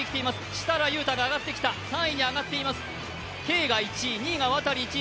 設楽悠太が上がってきた、３位に上がっています。